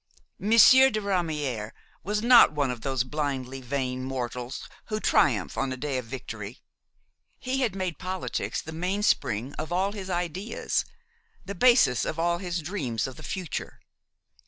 Monsieur de Ramière was not one of those blindly vain mortals who triumph on a day of victory. He had made politics the mainspring of all his ideas, the basis of all his dreams of the future.